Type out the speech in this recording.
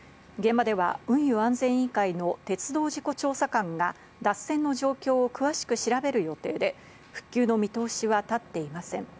現場では運輸安全委員会の鉄道事故調査官が脱線の状況を詳しく調べる予定で、復旧の見通しは立っていません。